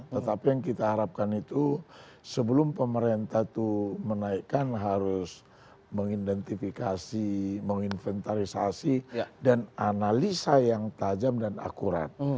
tetapi yang kita harapkan itu sebelum pemerintah itu menaikkan harus mengidentifikasi menginventarisasi dan analisa yang tajam dan akurat